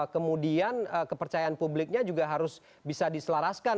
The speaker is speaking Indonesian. kemudian kepercayaan publiknya juga harus bisa diselaraskan